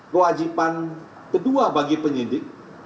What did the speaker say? kewajiban kedua bagi penyidik